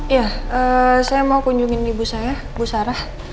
iya saya mau kunjungin ibu saya bu sarah